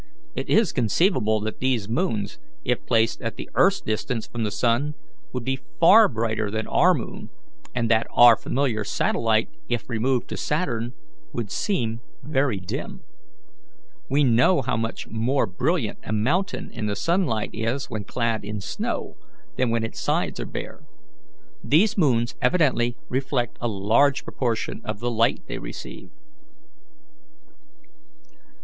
It is conceivable that these moons, if placed at the earth's distance from the sun, would be far brighter than our moon, and that our familiar satellite, if removed to Saturn, would seem very dim. We know how much more brilliant a mountain in the sunlight is when clad in snow than when its sides are bare. These moons evidently reflect a large proportion of the light they receive."